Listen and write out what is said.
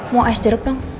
mau ais jeruk dong